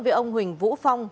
với ông huỳnh vũ phong